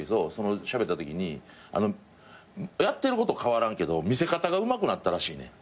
しゃべったときにやってること変わらんけど見せ方がうまくなったらしいねん。